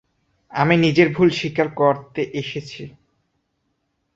আমি নিজের ভুল স্বীকার করতে এসেছি।